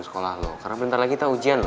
sekolah lo karena bentar lagi tau ujian lo ya